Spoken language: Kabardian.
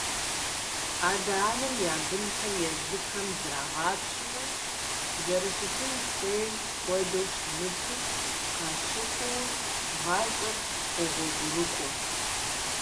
Адэ-анэм я бынхэр езыхэм зрагъапщэурэ, зэрыщытын хуейм хуэдэу щымыту къащыхъуу гъащӀэр къогъуэгурыкӀуэ.